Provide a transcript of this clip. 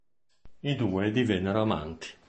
I due divennero amanti.